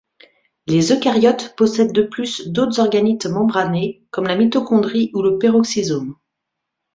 Les eucaryotes possèdent de plus d'autres organites membranés comme la mitochondrie ou le péroxysome.